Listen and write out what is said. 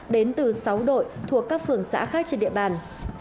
đến từ sáu đội thuộc các phường xã khác trên địa bàn